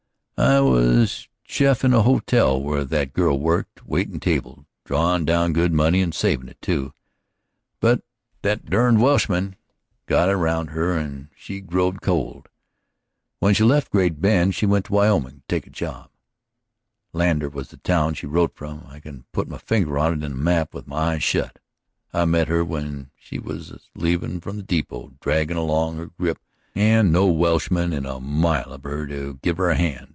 "I was chef in the hotel where that girl worked waitin' table, drawin' down good money, and savin' it, too. But that derned Welshman got around her and she growed cold. When she left Great Bend she went to Wyoming to take a job Lander was the town she wrote from, I can put my finger on it in the map with my eyes shut. I met her when she was leavin' for the depot, draggin' along with her grip and no Welshman in a mile of her to give her a hand.